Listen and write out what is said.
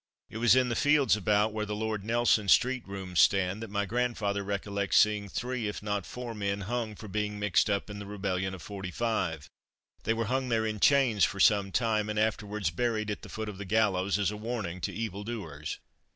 It was in the fields about where the Lord Nelson street rooms stand, that my grandfather recollects seeing three, if not four, men hung for being mixed up in the rebellion of '45. They were hung there in chains for some time, and afterwards buried at the foot of the gallows as a warning to evil doers.